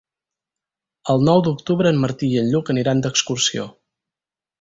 El nou d'octubre en Martí i en Lluc aniran d'excursió.